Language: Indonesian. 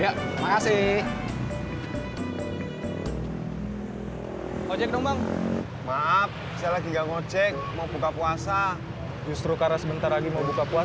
hai nachik nombor maaf saya lagi gak ngocek mau buka puasa justru karek sebentar lagi mau buka